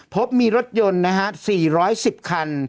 พบมีรถยนต์๔๑๐คัน